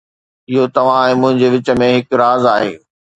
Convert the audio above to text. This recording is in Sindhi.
اهو توهان ۽ منهنجي وچ ۾ هڪ راز آهي